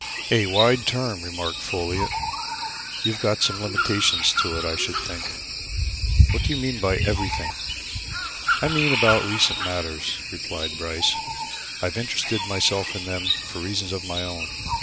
"A wide term!" remarked Folliot. "You've got some limitation to it, I should think. What do you mean by everything?" "I mean about recent matters," replied Bryce. "I've interested myself in them for reasons of my own.